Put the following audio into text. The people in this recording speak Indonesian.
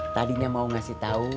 tadinya mau ngasih tau